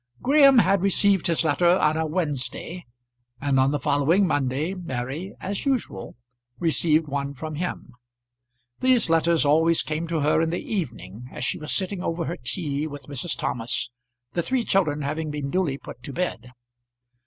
Graham had received his letter on a Wednesday, and on the following Monday Mary, as usual, received one from him. These letters always came to her in the evening, as she was sitting over her tea with Mrs. Thomas, the three children having been duly put to bed.